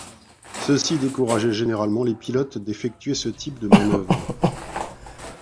Ceci décourageait généralement les pilotes d'effectuer ce type de manœuvre.